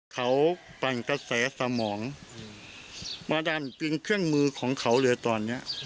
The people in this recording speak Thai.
เขาปั่นกระแสสมองมาดันจึงเครื่องมือของเขาเลยตอนเนี้ย